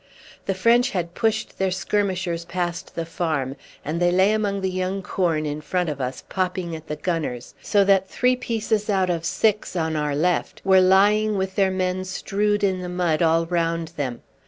The French had pushed their skirmishers past the farm, and they lay among the young corn in front of us popping at the gunners, so that three pieces out of six on our left were lying with their men strewed in the mud all round them.